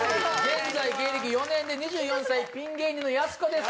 現在芸歴４年で２４歳ピン芸人のやす子です